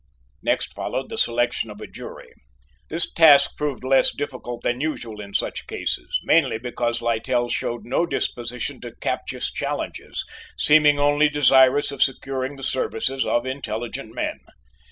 Next followed the selection of a jury. This task proved less difficult than usual in such cases, mainly because Littell showed no disposition to captious challenges, seeming only desirous of securing the services of intelligent men.